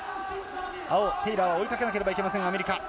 青、テイラーを追いかけなければいけません、アメリカ。